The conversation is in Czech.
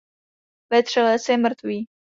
Vetřelec je mrtvý.